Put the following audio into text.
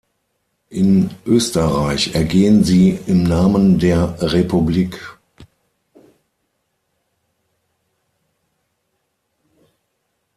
In Österreich ergehen sie „Im Namen der Republik“.